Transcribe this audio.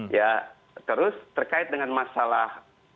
ya terus terkait dengan masalah